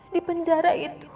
di penjara itu